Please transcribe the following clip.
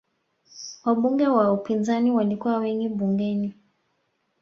Wabunge wa upinzani walikuwa wengi bungeni